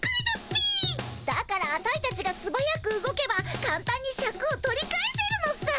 だからアタイたちがすばやく動けばかんたんにシャクを取り返せるのさ。